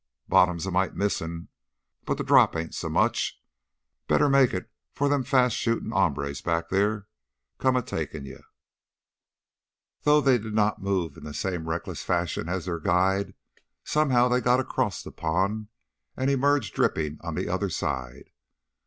"Bottom's a mite missin', but the drop ain't so much. Better make it 'fore them fast shootin' hombres back theah come a takin' you." Though they did not move in the same reckless fashion as their guide, somehow they got across the pond and emerged dripping on the other side.